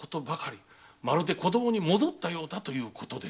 まるで子供に戻ったようだということです。